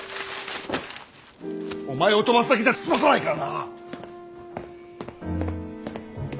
お前を飛ばすだけじゃ済まさないからな。